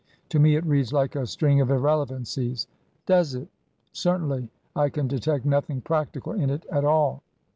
To me it reads like a string of irrelevancies." " Does it ?"" Certainly. I can detect nothing practical in it at all."